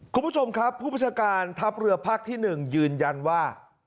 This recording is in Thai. คุณผู้ชมครับผู้ประชาการทัพเรือภาคที่๑ยืนยันว่า